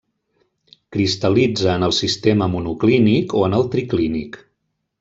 Cristal·litza en el sistema monoclínic o en el triclínic.